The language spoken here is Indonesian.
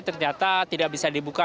ternyata tidak bisa dibuka